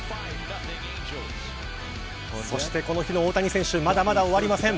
そしてこの日の大谷選手まだまだ終わりません。